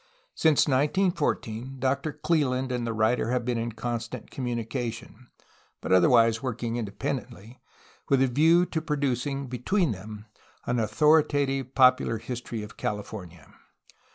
Since 1914 Doctor Cleland and the writer have been in constant communication, but other wise working independently, with a view to producing, be tween them, an authoritative popular history of California.